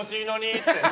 って。